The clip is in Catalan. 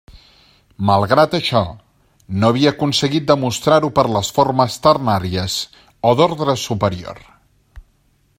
Malgrat això, no havia aconseguit demostrar-ho per les formes ternàries o d'ordre superior.